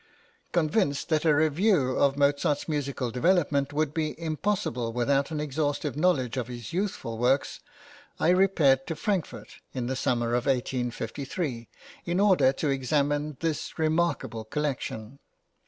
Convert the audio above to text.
Convinced that a review of Mozart's musical development would be impossible without an exhaustive knowledge of his youthful works, I repaired to Frankfort in the summer {LIFE OF MOZART.} (xviii) of 1853, in order to examine this remarkable collection.